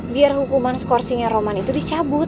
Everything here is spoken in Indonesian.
biar hukuman skorsinya roman itu dicabut